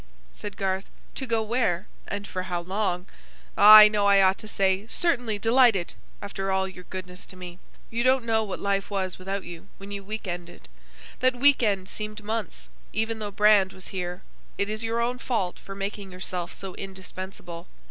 said Garth. "To go where? And for how long? Ah, I know I ought to say: 'Certainly! Delighted!' after all your goodness to me. But I really cannot! You don't know what life was without you, when you week ended! That week end seemed months, even though Brand was here. It is your own fault for making yourself so indispensable."